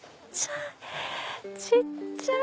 小っちゃい！